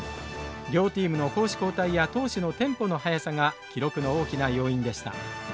両チームの攻守交代や投手のテンポの速さが記録の大きな要因でした。